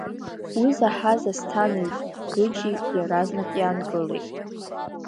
Уи заҳаз Асҭанеи Гыџьи иаразнак иаангылеит.